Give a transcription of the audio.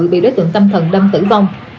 bị đối tượng tâm thần đâm tử vong